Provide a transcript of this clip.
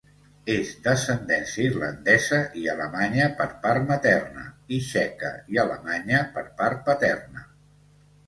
És d'ascendència irlandesa i alemanya per part materna, i txeca i alemanya per part paterna.